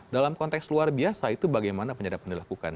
dalam konteks luar biasa itu bagaimana penyadapan dilakukan